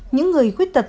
những người khuyết tật